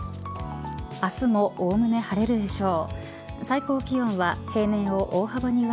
明日もおおむね晴れるでしょう。